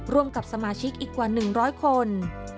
ร่วมกับสมาชิกอีกกว่าหนึ่งร้อยคน